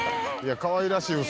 かわいらしいウソ。